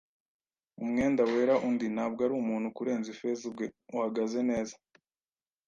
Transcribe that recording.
umwenda wera, undi, ntabwo ari umuntu kurenza Ifeza ubwe, uhagaze neza.